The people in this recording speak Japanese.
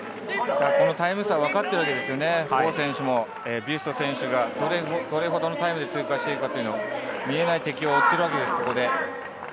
このタイム差、分かっているわけですよね、ボウ選手もビュスト選手がどれほどのタイムで通過しているかというのを見えない敵を追っているわけです。